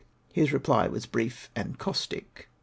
His reply was brief and caustic.